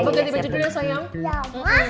ganti baju dulu ya sayang